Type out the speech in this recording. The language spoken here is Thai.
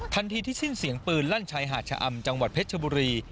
ทันทีที่สิ้นเสียงปืนลั่นชายหาดชะอำจังหวัดเพชรชบุรี